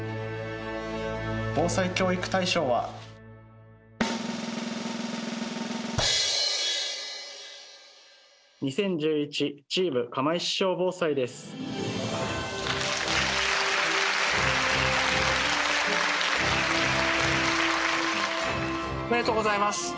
防災教育大賞は。おめでとうございます。